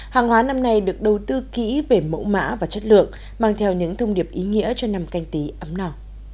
hàng hóa năm nay được đầu tư kỹ về mẫu mã và chất lượng mang theo những thông điệp ý nghĩa cho năm canh tí ấm nỏ